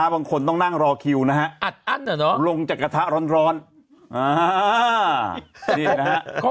บางคนต้องนั่งรอคิวนะฮะอัดอั้นลงจากกระทะร้อน